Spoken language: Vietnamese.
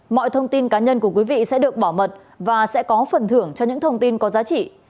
mọi thông tin cá nhân của quý vị sẽ được bảo mật và sẽ có phần thưởng cho những thông tin có giá trị